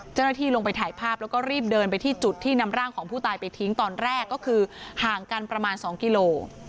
เจ้าหน้าที่ลงไปถ่ายภาพแล้วก็รีบเดินไปที่จุดที่นำร่างของผู้ตายไปทิ้งตอนแรกก็คือห่างกันประมาณ๒กิโล